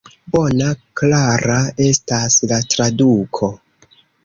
Bona, klara estas la traduko.